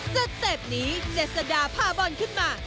สเต็ปนี้เจษดาพาบอลขึ้นมา